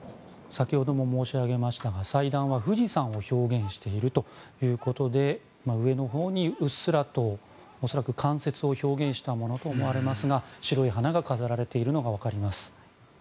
先ほども申し上げましたが祭壇は、富士山を表現しているということで上のほうにうっすらと恐らく冠雪を表現したものと思われますが白い花が飾られているのがわかります。